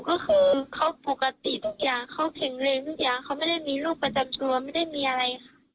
ก็คือเขาปกติทุกอย่างเขาแข็งแรงทุกอย่างเขาไม่ได้มีโรคประจำตัวไม่ได้มีอะไรค่ะ